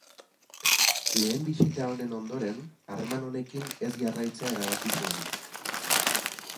Lehen bisita honen ondoren, harreman honekin ez jarraitzea erabaki zuen.